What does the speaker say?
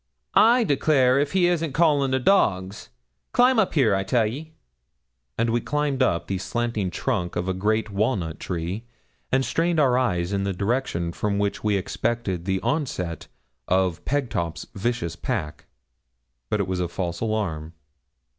'I declare if he isn't callin' the dogs! Climb up here, I tell ye,' and we climbed up the slanting trunk of a great walnut tree, and strained our eyes in the direction from which we expected the onset of Pegtop's vicious pack. But it was a false alarm.